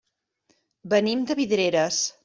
Venim de Vidreres.